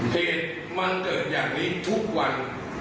เหตุมันเกิดอย่างนี้ทุกวัน